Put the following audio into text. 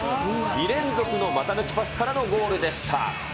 ２連続の股抜きパスからのゴールでした。